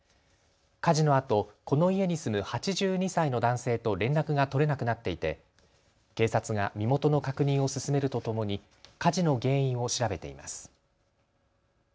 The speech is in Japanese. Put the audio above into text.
火事のあと、この家に住む８２歳の男性と連絡が取れなくなっていて警察が身元の確認を進めるとともに火事の原因を調べています。